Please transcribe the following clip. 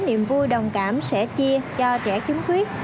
niềm vui đồng cảm sẻ chia cho trẻ khiếm khuyết